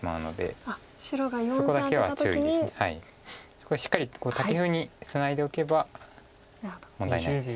そこはしっかりタケフにツナいでおけば問題ないです。